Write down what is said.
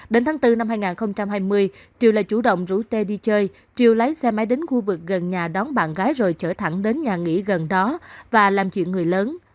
đến tháng bốn năm hai nghìn hai mươi triều lại chủ động rủ tê đi chơi chiều lái xe máy đến khu vực gần nhà đón bạn gái rồi trở thẳng đến nhà nghỉ gần đó và làm chuyện người lớn